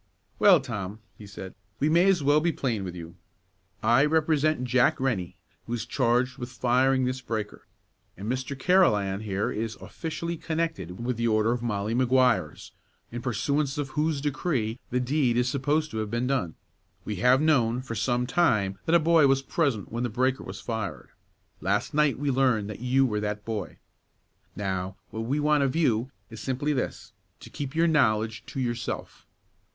"Well, Tom," he said, "we may as well be plain with you. I represent Jack Rennie, who is charged with firing this breaker, and Mr. Carolan here is officially connected with the order of Molly Maguires, in pursuance of whose decree the deed is supposed to have been done. We have known, for some time, that a boy was present when the breaker was fired. Last night we learned that you were that boy. Now, what we want of you is simply this: to keep your knowledge to yourself.